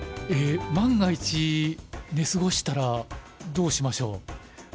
えっ万が一寝過ごしたらどうしましょう？